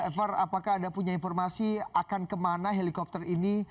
eva apakah anda punya informasi akan kemana helikopter ini